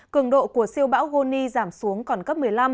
cường độ của siêu bão goni giảm xuống còn cấp một mươi năm